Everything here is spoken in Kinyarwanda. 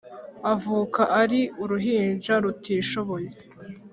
avuka ari uruhinja rutishoboye